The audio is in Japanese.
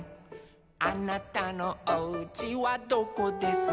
「あなたのおうちはどこですか」